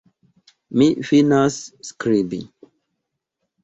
Mi finas skribi.